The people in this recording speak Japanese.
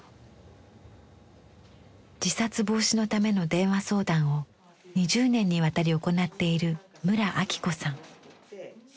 自殺防止のための電話相談を２０年にわたり行っている村明子さん。